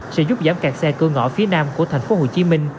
sẽ giúp giảm kẹt xe cơ ngõ phía nam của tp hcm